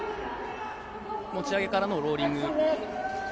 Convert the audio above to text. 持ち上げからのローリング。